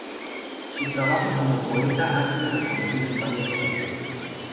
Su trabajo como poeta ha sido reconocido en varias ocasiones.